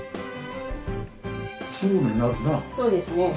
そうですね。